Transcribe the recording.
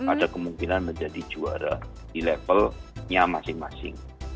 ada kemungkinan menjadi juara di levelnya masing masing